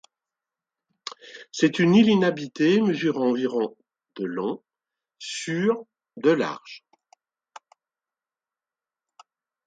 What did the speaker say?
C'est une île inhabitée mesurant environ de long sur de large.